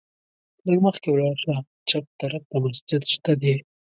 لږ مخکې ولاړ شه، چپ طرف ته مسجد شته دی.